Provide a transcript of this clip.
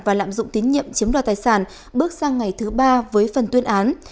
và lạm dụng tín nhiệm chiếm đoạt tài sản bước sang ngày thứ ba với phần tuyên án